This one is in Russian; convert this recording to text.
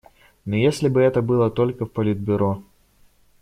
Но если бы это было только в Политбюро.